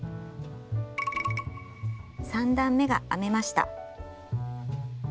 ３段めが編めました。